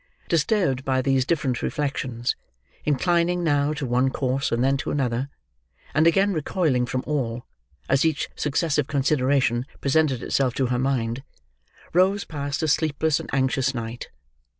Disturbed by these different reflections; inclining now to one course and then to another, and again recoiling from all, as each successive consideration presented itself to her mind; Rose passed a sleepless and anxious night.